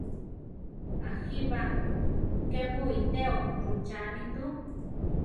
A jíba! ké mu iteó rúchani tu!